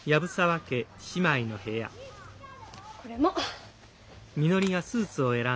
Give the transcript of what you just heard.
これも。